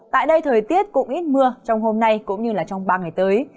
tại đây thời tiết cũng ít mưa trong hôm nay cũng như trong ba ngày tới